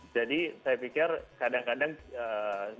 jadi saya pikir kadang kadang dua hari yang lalu ya